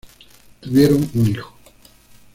Tuvieron un hijo.